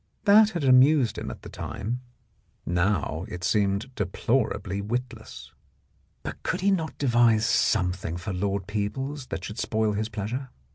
That had amused him at the time; now it seemed deplor 36 The Blackmailer of Park Lane ably witless. But could he not devise something for Lord Peebles that should spoil his pleasure?